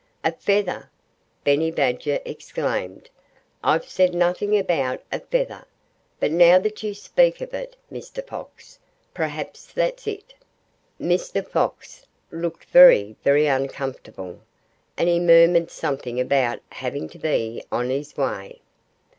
"A feather!" Benny Badger exclaimed. "I've said nothing about a feather! But now that you speak of it, Mr. Fox, perhaps that's it." Mr. Fox looked very, very uncomfortable. And he murmured something about "having to be on his way."